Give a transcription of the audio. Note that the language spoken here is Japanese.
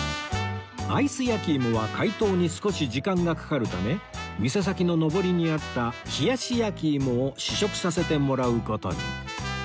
アイス焼いもは解凍に少し時間がかかるため店先ののぼりにあった冷し焼いもを試食させてもらう事に